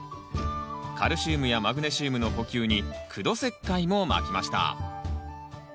カルシウムやマグネシウムの補給に苦土石灰もまきました。